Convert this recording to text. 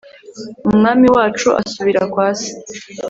umwami wacu asubira kwa se